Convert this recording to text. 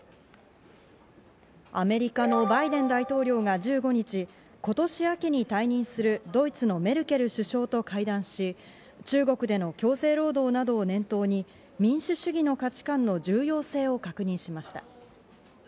アメリカのバイデン大統領が１５日、今年、秋に退任するドイツのメルケル首相と会談し、中国での強制労働などを念頭に民主主義の価値感の重要性を確認しました。